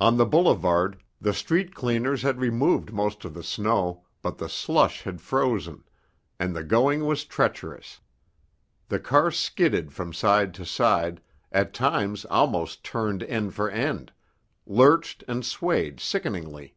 On the boulevard, the street cleaners had removed most of the snow, but the slush had frozen, and the going was treacherous. The car skidded from side to side, at times almost turned end for end, lurched and swayed sickeningly.